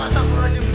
pak pak pak